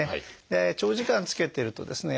長時間つけてるとですね